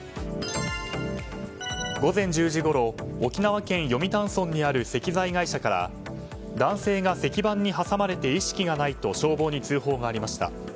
午前１０時ごろ沖縄県読谷村にある石材会社から男性が石板に挟まれて意識がないと消防に通報がありました。